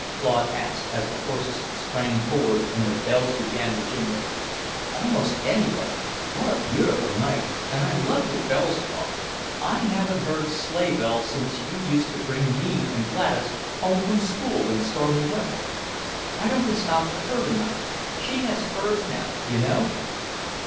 Claude asked as the horses sprang forward and the bells began to jingle. "Almost any way. What a beautiful night! And I love your bells, Claude. I haven't heard sleighbells since you used to bring me and Gladys home from school in stormy weather. Why don't we stop for her tonight? She has furs now, you know!"